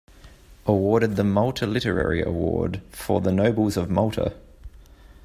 Awarded the Malta Literary Award for "The Nobles of Malta".